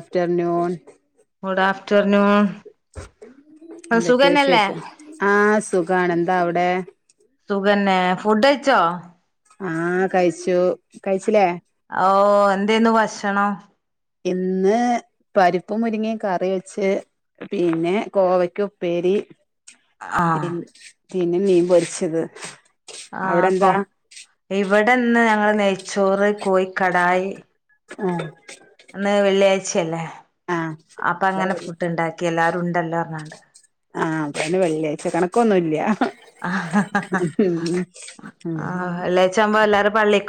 Afternoon. Good afternoon ആ എന്തൊക്കെ സുഖനല്ലേ ന്താ അവടെ സുഖന്നെ ഫുഡഴിച്ചോ? ആ കഴിച്ചു കഴിച്ചില്ലേ ഓ എന്തേ ന്നു വഷണം ഇന്ന് പരിപ്പും മുരിങ്ങെം കറി വെച്ച് പിന്നെ കോവക്കു പ്പേരി പി ആഹ് പിന്നെ മീൻ പൊരിച്ചത്. അവിടെ ആക്കോ എന്താ ഇവടെന്ന് ഞങ്ങ നെയ് ചോറ് കോയി കടായ്. ആ അന്ന് വെള്ളിയാഴ്ച്ചല്ലേ ആഹ് അപ്പങ്ങനെ ഫുഡ് ണ്ടാക്കിയെല്ലാ രുണ്ടല്ലോ ർഞ്ഞാണ്ട് ആ പിന്നെ വെള്ളിയാഴ്ച കണക്കൊന്നുല്ല്യ ആഹ്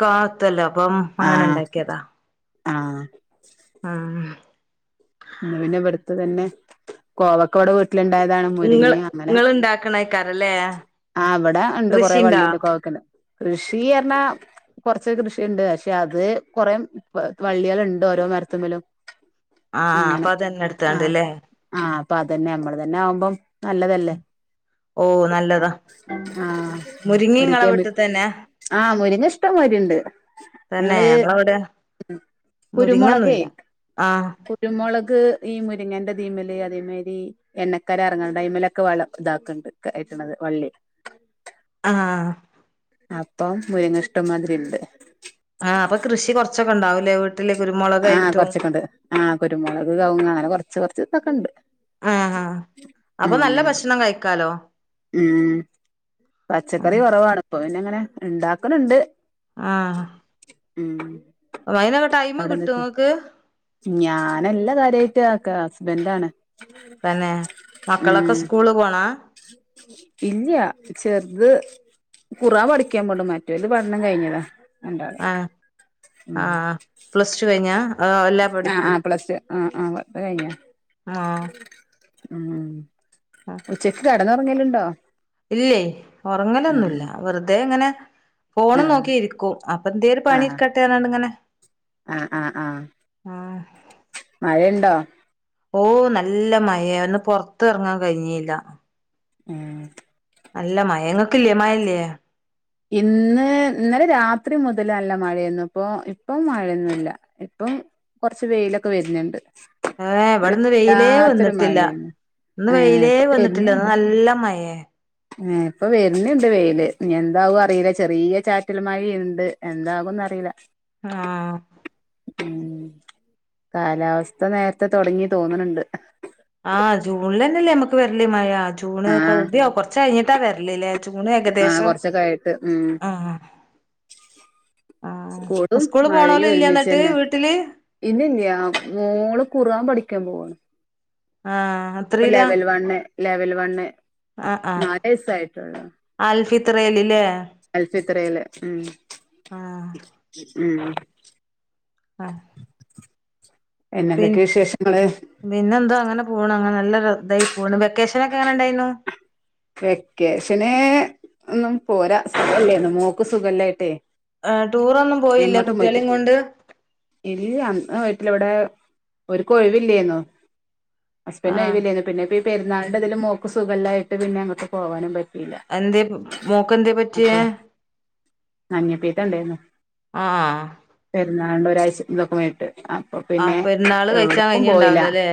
കാത്തലം അപ്പം അങ്ങനെ ണ്ടാക്കിയതാ ആ ആ അതെന്നെ കോവക്കവിടെ വി ട്ടില ഇണ്ടായതാണ്, മുരിങ്ങി ഇങ്ങള് അങ്ങനെ. ഇങ്ങള് ഇണ്ടാക്കണേക്കാരല്ലേ അവിടെ ഉണ്ട് കൊറെ കൃഷിണ്ടോ വള്ളിന്റെ കുക്കണ്ട് കൃഷി പറഞ്ഞാ കൊറ പച്ചക്കറി കൃഷിയുണ്ട് പക്ഷെ അത് കൊറെേ വള്ളികളുണ്ട് ഓരോ മരത്തിമലും. ആഹ് അങ്ങനെ അപ്പൊ അതന്നെ ആ എടുത്താണ്ട്ല്ലേ ആ അപ്പ അതന്നെ നമ്മള് തന്നെ ആവുമ്പം നല്ലതല്ലേ ഓ നല്ലതാ ആ മുരിങ്ങി ഇങ്ങളെ [unintelligible] വീട്ടിൽ തന്നെ ആ മുരിങ്ങ ഇഷ്ടംമാരി ഉണ്ട്. തന്നെ ഞങ്ങള് ഞങ്ങളവിടെ കുരുമുളക് മുരിങ്ങൊന്നുല്ല ആഹ് കു നമക്ക് ഈ മുരിങ്ങന്റെ ഇതിമല്ലേ അതേമാരി എണ്ണക്കാര ഇറങ്ങ ടൈമിൽ ഒക്കെ വള ഇതാക്കണ്ട് കേറ്റണത് വള്ളി ആ അപ്പം മുരിങ്ങ ഇഷ്ടമാതിരി ഉണ്ട്. ആഹ് അപ്പൊ കൃഷി കുറച്ചൊക്കെ ഉണ്ടാവ ലെ വി ആഹ് കൊറച്ചൊക്കെണ്ട്, ആ കുരുമുളക്, കവങ്ങ അങ്ങനെ കൊറച്ച് തെക്കേയൊക്കെ ഉണ്ട്. ആ ആ അപ്പൊ നല്ല ഉം ഭക്ഷണം കഴിക്കാലോ ഉം പച്ചക്കറി കുറവാാണ്പ്പൊ പിന്നെ അങ്ങനെ ഇണ്ടാക്കണണ്ട് ആഹ് ഉം അയിനൊക്കെ ടൈമ് കിട്ടോ അവിടെന്താക്കാ ഇങ്ങക്ക് ഞാനെല്ലാ കാര്യായിട്ട് ക്കെ ഹസ്ബന്റാണ് തന്നെ മക്കളൊക്കെ സ്കൂള് പോണാ ഇല്ല്യാ ചെറുത് ഖുറാൻ പഠിക്കാൻ പോണ്ട് മറ്റവന്റെ പഠനം കയിഞ്ഞതാ ആഹ് ആഹ് ആഹ് പ്ലസ് ടു കഴിഞ്ഞാ അതോ എല്ലാ ആഹ് പഠിപ്പും ആഹ് പ്ലസ്ടു ആഹ് ആഹ് പത്തു കഴിഞ്ഞാ ആഹ് ഉം ഉച്ചക്ക് ക ടന്നുറങ്ങലുണ്ടോ ഇല്ലേ ഒറങ്ങലൊന്നുവില്ല വെറുതേ അങ്ങനെ ഫോണ് ആ നോക്കിയിരിക്കും അപ്പ എന്തേരു ആ പണിരിക്കട്ടേന്നാണ്ട് ഇങ്ങനെ ആ ആ ആ ആഹ് മഴയുണ്ടോ ഓ നല്ല മയയാ ഒന്ന് പൊറത്ത് ഇറങ്ങാൻ കഴിഞ്ഞീല്ല ഉം അല്ല മയ ഇങ്ങക്കല്ലേ മയയില്ലേ ഇന്ന് ഇന്നലെ രാത്രി മുതലല്ല മഴയന്നും ഇപ്പോ ഇപ്പം മഴയൊന്നുമല്ല ഇപ്പം കുറച്ച് വെയിലൊക്കെ വരുന്നുണ്ട്. ഏഹ് ഒരു ഇവിടന്ന് വെയിലേ വല്ലാത്തൊരു വന്നിട്ടില്ല മഴയായിരുന്നു ഇന്ന് ഏഹ് വെയിലേ ഇപ്പൊ വന്നിട്ടില്ല നല്ല മഴേ ഇപ്പോ വരുന്നുണ്ട് വെയില്. എന്താവും അറിയില്ല ചെറിയ ചാറ്റില മഴ ഉണ്ട് എന്താകും ന്ന് അറിയില്ല. ആഹ്. ഉം കാലാവസ്ഥ നേരത്തെ തുടങ്ങി തോന്നണണ്ട്. ആഹ് ജൂണിൽ തന്നെല്ലേ നമ്മുക്ക് വരലേ മഴ. ജൂണ് ആഹ് പകുതിയാവും കൊറച്ച് കഴിഞ്ഞിട്ടാ വരലില്ലേ ജൂണ് ആഹ് ഏകദേശം കൊറച്ചൊക്കെ ആയിട്ട് ഉ ആഹ് ആഹ് സ്കൂടും സ്കൂള് പോണോല് മഴയും ഇല്ലേ ഒരുമിച്ച് എന്നിട്ട് തന്നെ വീട്ടില് ഇന്ന ഇല്ല ഇല്ല മോള് ഖുറാൻ പഠിക്കാൻ പോണ്. ആഹ്. ഇപ്പ എത്രീലാ ലെവൽ വണ് ലെവൽ ആഹ് നാലു വയസ്സ് ആയിട്ടുള്ളൂ. ഫിത്രൽല്ലേ. അൽഫി ത്രല് ഉം. ആഹ്. ഉം. ആഹ്. പി പിന്നെന്തൊക്കെ വിശേഷങ്ങള് പിന്നെന്താ അങ്ങനെ പോണ് അങ്ങനെ നല്ല ഒരു ഇതായി പോണു വെക്കേ [unintelligible] വെക്കഷാനൊക്കെ എങ്ങനെ ഉണ്ടായിരുന്നു വെക്കേഷന് ഒന്നും പോരാ സുഖല്ലേന്ന് മോക്ക് സുഖല്ലായിട്ടേ ആ ടൂറൊന്നും പോയില്ല എങ്ങോട്ടും കുട്ടികളേ പോയിട്ട് കൊണ്ട് ഇവിടെ ഒരിക്ക് ഒഴിവില്ലെന്നു ഹസ്ബൻഡ് ഒഴില്ലായിരുന്നു പിന്നെ- നാളിന്റെ ഇതിൽ മോക്ക് സുഖയില്ലായിട്ട് പിന്നെ അങ്ങോട്ട്‌ പോകാനും പറ്റിയില്ല എന്തേ മോക്ക് ക്കെന്തേ പറ്റിയേ അപ്പൊ മഞ്ഞപ്പീത്തം ഉണ്ടായിരുന്നു ആഹ് ആഹ് ഏതാണ്ട് ഒരാഴച ഇതെക്കെ ആയിട്ട് അപ്പൊ ആഹ് പിന്നെ പെരുന്നാള് കഴിച്ചാൻ എവിടെകും പോയില്ല കഴിഞ്ഞിണ്ടാവൂലല്ലേ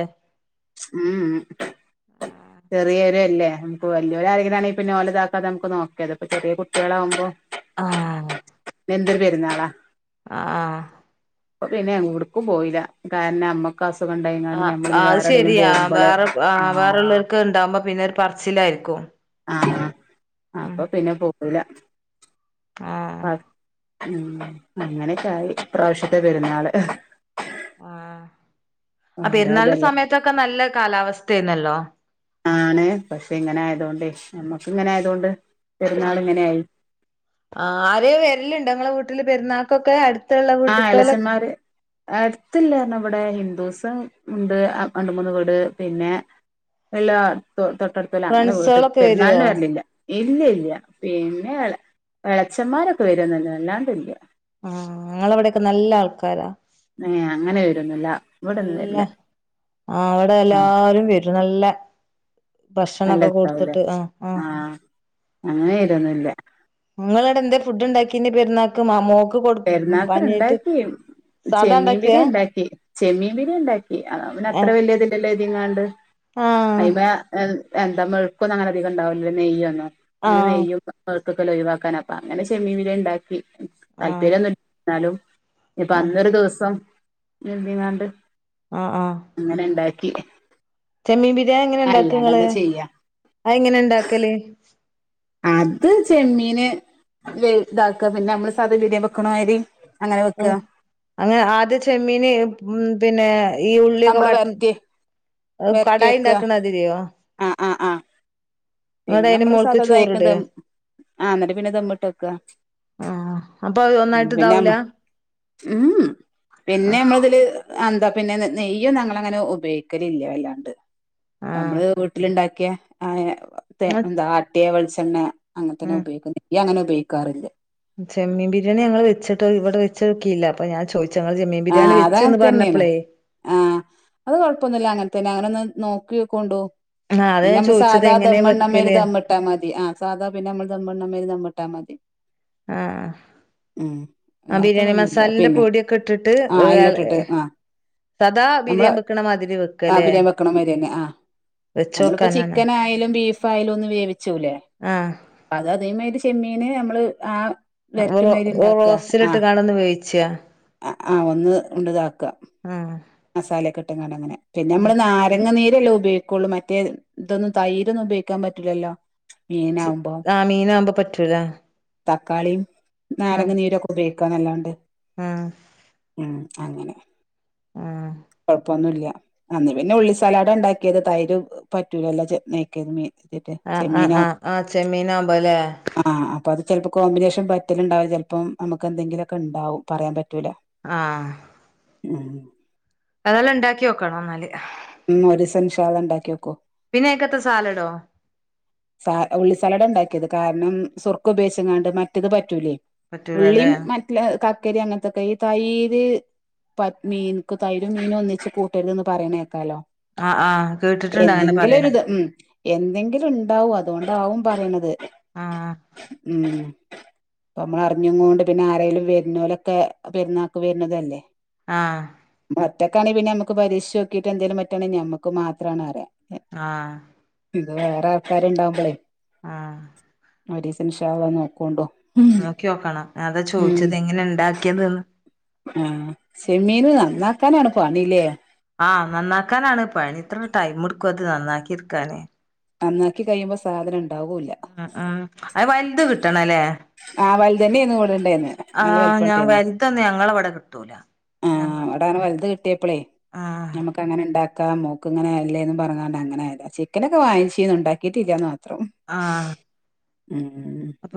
ഉഉം ചെറിയൊര അല്ലേ നമുക്ക് വലിയൊര ആരെങ്കിലണങ്കന്ന നോലതാക്കാതെ നമുക്ക് നോക്കിയത് ഇപ്പ ചെറിയ കുട്ടികളാകുമ്പോ ആഹ് എന്തര് പെരുന്നാളാ ആഹ് ആഹ് അ പിന്നെ എങ്ങോടുക്കും പോയില്ല കാരണം ഞമ്മക്ക് അസു ആ അയ് ശെരിയാ വേറെ ആ ആഹ് വേറെയുള്ള ക്കെ ഉണ്ടാവകുമ്പോ പിന്നെ ഒരു പറച്ചിലായിരിക്കും ആഹ് ആ ഉം അപ്പൊ പിന്നെ പോ പേയില്ല ആഹ് ഉം അങ്ങനെയൊക്കൊയി ഈ പ്രാവശ്യത്തെ പെരുന്നാള് ആഹ് ആ ഓരോ പ്പൊരുന്നാളിന്റെ ഇതല്ലേ സമയത്തൊക്കെ നല്ല കാലാവസ്ഥയന്നല്ലോ ആണ് പക്ഷെ ഇങ്ങനെ ആയതോണ്ട് നമ്മ ങ്ങനെ ആയതോണ്ട് പെരുന്നാള് ആഹ് ഇങ്ങനെ ആയി ആഹ് ആരെവരലുണ്ട് ഇങ്ങളെ വീട്ടില് പെരുന്നാൾക്കൊക്കെ അടു- ആ അലച്ചന്മാര് അടുത്തില്ല നമ്മുടെ ഹിന്ദൂസും ഉണ്ട് രണ്ട മൂന്ന് വീട് പിന്നെ എല്ലാ ത് തൊട്ടടുത്തല്ല അങ്ങനെ വീട് ഫ്രണ്ട്സോളൊക്കെ വരുവോ പെരുന്നാളിന് വരലില്ല ഇല്ല ഇല്ല പിന്നെ എള എളച്ചന്മാരൊക്കെ വരുമന്ന് അല്ലാണ്ടില്ല ആ ഞങ്ങളവിടെക്കെ നല്ല ആൾക്കാരാ ഏ അങ്ങനെ വരുവോന്നില്ല അല്ല അവിടെ എല്ലാരും വരും ര് നല്ല നല്ല ഭക്ഷണൊക്കെ രസവുല്ലേ കൊടുത്തിട്ട് ആ ആ ആഹ് അങ്ങനെ വരുമൊന്നുല്ല നിങ്ങളടെ എന്തെ ഫുഡ് ഉണ്ടാക്കി പെരുന്നാൾക്ക് മോ- പെരുന്നാൾക്ക്ണ്ടാക്കി സാധാ ചെമ്മീൻ ഉണ്ടാക്കിയാ പിടിണ്ടാക്കി ചെമ്മീൻ പിരിണ്ടാ ക്കി അവന് ആ അത്ര വലിയ ഇതില്ലല്ലോ ഇതിങ്ങാണ്ട് ആ അവ എന്താ മെഴുക്കും അങ്ങനെ അധികംണ്ടാവില്ല നെയ്യൊന്നോ ആ ഇങ്ങനെ നെയ്യും [unintelligible] പസ്തുക്കൾ ഒഴിവാക്കാനൊക്കെ അങ്ങനെ ചെമ്മീൻ ബിരിയാണി ഉണ്ടാക്കി ആ [unintelligible] ന്നാലും ഇപ്പൊ ആ അന്നൊരു ദിവസം എന്തിനാണ്ട്? ആഹ് ആഹ് [inaudible] ചെമ്മീൻ ബിരിയാണി എങ്ങനെ ഇണ്ടാക്ക അല്ലാണ്ട് ഇങ്ങള്, എന്താ ചെയ്യാ അയ് എങ്ങനെ ഉണ്ടാക്കല് അത് ചെമ്മീന് വലുതാക, പിന്നെ നമ്മള് സാധാ ബിരിയാൻ വെക്കണമാതിരി അങ്ങനെ വെക്കുക ആഹ്, ആ ആദ്യ ചെമ്മീന് ഹ്മ്മ് പിന്നെ ഈ ഉള്ളിയൊക്കെ നമ്മള് വാട്ടും വരട്ടി അ വരട്ടി കടായി വെക്ക ഉണ്ടാക്ക്ണ ആതിരിയോ ആ ആ ആ പിന്നെ നമ്മള് സതാതായ്ക്കധമം ആഹ് എന്നിട്ട് പിന്നെ ദമ്മിട്ട് വെക്ക. ആ അപ്പൊ ഒന്നായിട്ട് പിന്നെമ്മ ഇതാവൂല ഹ്മ്മ് ആ പിന്നെ നമ്മള് ഇതില് അന്താ പിന്നെ നെ നെയ്യൊന്നു ഞങ്ങളങ്ങനെ ഉപയോഗിക്കലില്ലാ വല്ലാണ്ട്. ആ നമ്മള് വീട്ടിലുണ്ടാ ഒക്കെ [unintelligible] തെ എന്താ അട്ടിയ വെളിച്ച ചണ്ണ അങ്ങനത്തന്നെ ഉം ഉപയോഗിക്കുന്നെ ഇയങ്ങനെ ഉപയോഗിക്കാറില്ല്. ചെമ്മീൻ ബിരിയാണി ഞങ്ങള് വെച്ചിട്ട് ഇവിടെ വെച്ചോക്കില്ല. അപ്പൊ ഞാൻ ചോദിച് ആഹ് അതങ്ങനെത്തന്നെണ്. ആഹ് അത് കൊഴപ്പൊന്നില്ല അങ്ങന പിന്നെ അങ്ങനൊന്ന് നോക്കി കൊണ്ടോവും. ആഹ് അതാ പിന്നെ ഞാൻ നമ്മള് ചോദിച്ചത് സാധാ എങ്ങനെ ദമ്മ്ടിണമാതിരി വെക്കല് ദമ്മിട്ടാ മതി. ആഹ് സാധാ പിന്നെ നമ്മള് ദമ്മ്ടിണെ മാതിരി ദമ്മ് ട്ടാ മതി. ആഹ് ഉം ആ ബിരിയാണി മസാലന്റെ പൊടിയൊക്കെ ഇട്ടിട്ട് ആഹ്, എല്ലട്ടിട്ട് ആഹ്, സദാ നമ്മള് ബിരിയാൻ വെക്കണ മാതിരി ആഹ് വെക്കല്ലേ ബിരിയാൻ വെക്കണ മാതിരി തന്നെ ആഹ്, നമ്മളിപ്പ വെച്ചോക്കാനാണ് ചിക്കനായാലും ബീഫ് ഫായാലും ഒന്ന് വേവി ച്ചുലെ, ആഹ് അത് അതെ മതിരി ചെമ്മീൻ എങ്ങനെ നമ്മള് ആ വരട്ടുമാതിരി റോ ഉണ്ടാക്കുക റോസിലിട്ട് കാണുന്ന വേവി ച ആഹ് അ ഒന്ന് ഉണ്ട്ത ആഹ് മസാലയൊക്കെട്ട്ങ്ങാണ്ടങ്ങനെ പിന്നെ ആഹ് നമ്മള് നാര ങ്ങ നീരെല്ലേ ഉപയോഗിക്കുള്ളൂ മറ്റേ ഇതൊന്നും തൈരൊന്നും ഉപയോഗിക്കാൻ പറ്റില്ലല്ലോ ച് ആഹ് മീനകുമ്പോ പറ്റൂല തക്കാളി ആഹ് നാരങ്ങ നീരൊക്കെ ഉപയോഗിക്കാൻ അല്ലാണ്ട് ആഹ് ഉം അങ്ങനെ ആഹ് കുഴപ്പൊന്നുല്ല അന്ന് പിന്നെ ഉള്ളി സലാഡ് ഉണ്ടാക്കിയത് തൈര് പറ്റൂല ചെ നേയ്യ്കര് മീൻ ആഹ് ആഹ് ആഹ് ആഹ് ചെമ്മീനാുകുമ്പോലേ ആഹ് അപ്പൊ അത് ചിലപ്പോ കോമ്പിനേഷൻ പറ്റല്ണ്ടാവും ചിലപ്പം നമുക്ക് എന്തെങ്കിലൊക്കെ ഇണ്ടാവും പറയാൻ പറ്റൂല ആഹ് ഉം അതെല്ലാം ഉണ്ടാക്കി ഒക്കണം ന്നാല് ഉം ഒരുസ ഇൻഷ അല്ലാഹ് ഇണ്ടാക്കിയോക്കൂ പിന്നെ അയ്ക്കത്തെ സാലഡോ സ ഉള്ളിസലട ഉണ്ടാക്കിയത് കാരണം സുർക്ക ഉപേയോഗിച്ച് ക്കാണ്ട് മറ്റത് പറ്റൂലേ ഉള്ളി പറ്റൂലല്ലേ മറ്റ ക ക്കരി അങ്ങനത്തൊക്കെ ഈ തൈര് പ മീൻ തൈരും മീനും ഒന്നിച്ച് കൂട്ടരുത് ന്ന് പറയണേക്കാലോ? ആഹ് ആഹ് കേട്ടിട്ടുണ്ട് അങ്ങനെ എന്തെങ്കിലും പറയണ ഒരുത് ഉം എന്തെങ്കിലും ഉ അതുകൊണ്ടാവും പറയണത്. ആഹ്. ഉം അ നമ്മൾ അറിഞ്ഞ്ങ്ങോണ്ട് പിന്നെ ആരെേലും വരുന്നോലൊക്കെ പെരുന്നാക്ക് വരുന്നതല്ലേ. ആഹ്. ഒറ്റക്കാണെൽ പിന്നെ നമുക്ക് പരീഷിച്ച് നോക്കിട്ട് എന്തേലും പറ്റുവാണേൽ ഞമ്മക്ക് മാത്രമാണ് പറ ആഹ്. ഇത് വേറെ ക്കാര് ഇണ്ടാവുമ്പളേ ആഹ് ഒരീസ ഇൻഷ അല്ലാ നോക്കൊണ്ടോ. നോക്കിയോക്കണം ഞ അതാ ചോദിച്ചത് എങ്ങനെ ഇണ്ടാക്കിയതന്ന്. ക്കാനാണ് പണി ലെ. ആ നന്നാക്കാനാണ് പണി ഇത്ര ടൈം എടുക്കും അത് നന്നാക്കി എടുക്കാനെ- നന്നാക്കി കഴിയുമ്പോ സാദനം ഉണ് ഉം ഉം അ വൽ ഇത് കിട്ടണ അല്ലേ ആ വൽതെന്നേയ്ന്നു ഇവടെണ്ടേയിന്ന് നല്ല ആഹ് ഞാൻ വെലുപ്പണ്ടേന്നു വലുതൊന്നും ഞങ്ങളവിടെ കിട്ടൂല ആ ഞങ്ങൾ അവിടാണ് വലുത് കിട്ട്യപ്പളെ ആഹ് ഞമ്മക്ക് അങ്ങനെണ്ടാക്ക ക്ക മോക്ക് ഇങ്ങനെ അല്ലേനും പറഞൊണ്ട് അങ്ങനെ ചിക്കനൊക്കെ വങ്ങിച് ഉണ്ടാക്കിട്ടില്ലന്ന് മാത്രം ആ ഉം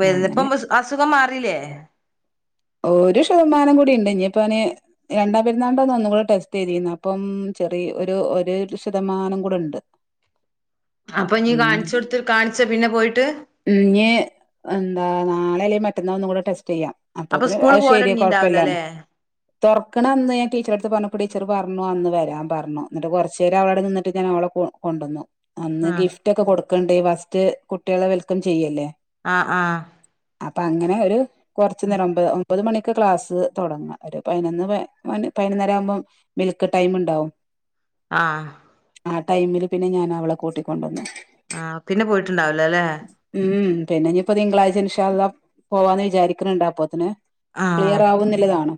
ഞാൻ അങ്ങനെ- അസുഖം മാറിയില്ലേ ഒരു ശതമാനം കൂടി ഉണ്ട് ഇനിപ്പോ അവന്- രണ്ടാം പെരുന്നാളിന്റ ഒന്നും കൂടെ ടെസ്റ്റ് ചെയ്തിരുന്നു അപ്പം ചെറിയ ഒരു ഒരു ശതമാനം കൂടെ ഉണ്ട് അപ്പൊ നീ ഉം കാണിച്ച കൊടുത്തി കാണിച്ച പിന്നെ പോയിട്ട് ആ നാളെയല്ലേ മറ്റെന്നാൾ ഒന്നുകൂടെ ടെസ്റ്റ് ചെയ്യാം അപ്പ അപ്പൊ ഇത്തിന് സ്കൂള് അത് ശരിയ കുഴപ്പമില്ലന്ന് പോവലൊടങ്ങിണ്ടാവിലല്ലേ തുറക്കണം എന്ന് ഞാൻ ടീച്ചർ അടുത്ത് പറഞ്ഞു പ്പ ടീച്ചറ് പറഞ്ഞു അന്ന് വരാൻ പറഞ്ഞു എന്നിട്ട് കുറച്ച് നേരം അവടെ നിന്നിട്ട് ഞാനവളെ കൊ കൊണ്ടുന്നു അന്ന് ആഹ് ഗിഫ്റ്റൊക്കെ കൊടു ക്കണ്ടെ ഫസ്റ്റ് കുട്ടികളെ വെൽക്കം ചെയ്യല്ലേ ആ ആ അപ്പൊ അങ്ങനെ ഒരു ച്ച് നേരം മ്പ് അ ഒമ്പത് മണിക്ക് ക്ലാസ്സ് തുടങ്ങ ഒരു പതിനൊന്ന് പതിനൊന്നര ആവുമ്പോം മിൽക്ക് ടൈം ഉണ്ടാവും ആ ആ ടൈമില് പിന്നെ ഞാൻ അവളെ കൂട്ടിക്കൊണ്ടുവന്ന് ആ പിന്നെ പോയിട്ടുണ്ടാവൂലല്ലെ ഉം പിന്നെ ഇനിയിപ്പോ തിങ്കളാഴ്ച ഇൻശാ അല്ലാഹ് പോവാ എന്ന് വിചാരി ക്കണ്ണണ്ട് അപ്പോത്തിന് ആഹ് ക്ലിയർ ആവുന്നില്ലതാണോ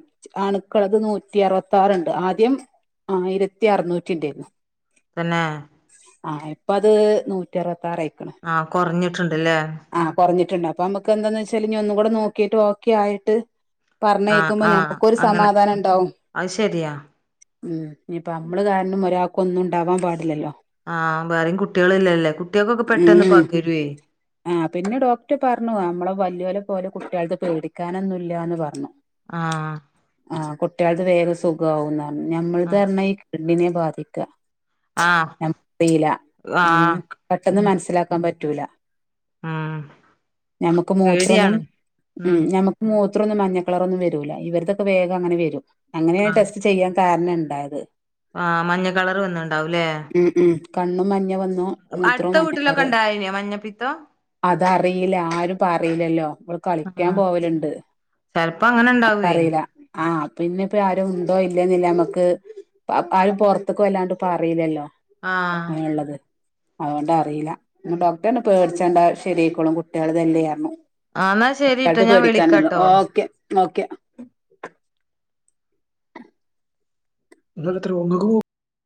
അണുക്കളത് നൂറ്റി അറുപത്താറുണ്ട് ആദ്യം ആയിരത്തി അറുനൂറ്റിണ്ടായിരുന്നു പിന്നെ ആ ഇപ്പ അത് നൂറ്റി പ ആ കൊറഞ്ഞിട്ടുണ്ടല്ലേ ട്ടണ്ട് അപ്പ നമ്മക്ക് എന്താന്ന് വെച്ചാല് ഇനി ഒന്നും കൂടെ നോ കീട്ട് ഓക്കെ ആയിട്ട് പറഞ്ഞ് ആഹ് കേക്കുമ്പോ ആഹ് ഞമ്മുക്കൊരു അങ്ങനെ സമാധാനണ്ടാവും അത് ശെരിയാ ഉം ഇനിയിപ്പ നമ്മള് കാരണം ഒരാൾക്ക് ഒന്നും ഉണ്ടാവാൻ പാടില്ലല്ലോ. ആഹ് വേറെയും കുട്ടികള ഇല്ലല്ലേ കുട്ടികൾക്കൊക്കെ പെട്ടെന്ന് ഉം പകരുവേ. ആ പിന്നെ കുട്ടിയാൾത് പേടിക്കാനൊന്നുമില്ലാന്ന് പറഞ്ഞു. ആഹ്. ആഹ് കുട്ടികൾത് വേഗ സുഖമാവുന്ന നം ഞമ്മൾത് ആഹ് പറഞ്ഞ കിഡ്നിനെ ബാധിക്ക. ആഹ് നക്കറില്ല ഉം ആഹ് പെട്ടെന്ന് ഉം മനസ്സിലാക്കാൻ പ പറ്റൂല ഉം ഞമ്മുക്ക് മൂത്രൊന്നും പേടിയാണ് ഉം നമുക്ക് മൂത്രൊന്നും മഞ്ഞക്കളറന്നും വരൂല്ല ഇവർതൊക്കെ വേഗംങ്ങനെ വരും അങ്ങനെയാണ് ടെസ്റ്റ് ചെയ്യാം കാരണ ഉണ്ടായത് ആ മഞ്ഞ കളർ ഒന്നും ഇണ്ടാവൂല്ലേ കണ്ണു മ ഞ്ഞവന്നോ മൂത്രോ മഞ്ഞ കറ് ഇണ്ടായിനോ മഞ്ഞപ്പിത്തം അതറീല ആരും പറയില്ലല്ലോ മ്മൾ ആ ചെലപ്പോ അങ്ങനെ ഇണ്ടാവുവേ ആ പിന്നെ ഇപ്പൊ ആരും ഉണ്ടോ ഇല്ലന്നില്ല നമ്മക്ക് ആരും പുറത്തേക്കും അല്ലാണ്ട് ഇപ്പറിയില്ലല്ലാ ആ അതുകൊണ്ടറിയില്ല ഡോക്ടനെ പേടിച്ചണ്ടാ ശെരിക്കോളും കുട്ടികള് ഇതല്ലോയിരുന്നു ആ എന്നാൽ ശരിട്ട ഞാൻ വിളിക്കാട്ടോ ഓക്കെ ഓക്കെ [unintelligible]